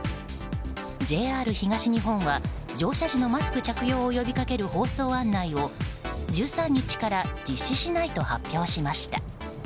ＪＲ東日本は乗車時のマスク着用を呼びかける放送案内を１３日から実施しないと発表しました。